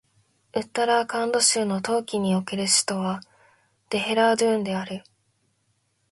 ウッタラーカンド州の冬季における州都はデヘラードゥーンである